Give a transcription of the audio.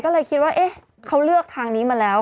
ก็เลยคิดว่าเอ๊ะเขาเลือกทางนี้มาแล้ว